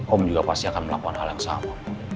om juga pasti akan melakukan hal yang sama